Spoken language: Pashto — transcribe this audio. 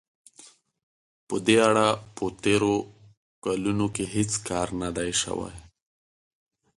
په دې اړه په تېرو کلونو کې هېڅ کار نه دی شوی.